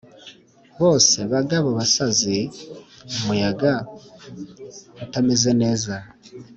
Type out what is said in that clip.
bose, bagabo basazi, umuyaga utameze neza